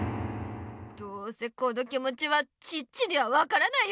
どうせこの気もちはチッチには分からないよ。